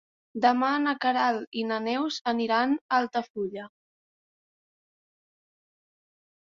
Demà na Queralt i na Neus aniran a Altafulla.